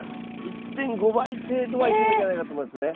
１．５倍程度はいくんじゃないかと思いますね。